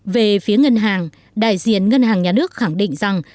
về phía ngân hàng đại diện ngân hàng nhà nước khẳng định rằng